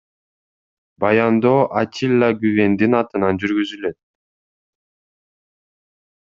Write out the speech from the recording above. Баяндоо Атилла Гүвендин атынан жүргүзүлөт.